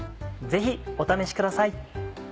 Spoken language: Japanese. ぜひお試しください。